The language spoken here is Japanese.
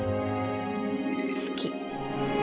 好き。